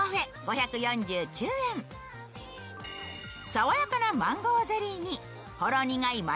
さわやかなマンゴーゼリーにほろ苦い抹茶